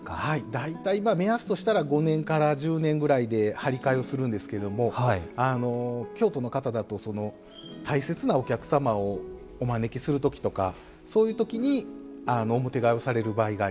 大体目安としたら５年から１０年ぐらいで張り替えをするんですけども京都の方だと大切なお客様をお招きする時とかそういう時に表替えをされる場合がありますね。